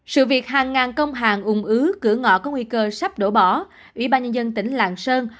sự việc hàng ngàn công hàng ung ứ cửa ngõ có nguy cơ sắp đổ bỏ ủy ban nhân dân tỉnh lạng sơn